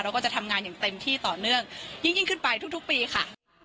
ก็จะทำงานอย่างเต็มที่ต่อเนื่องยิ่งขึ้นไปทุกปีค่ะ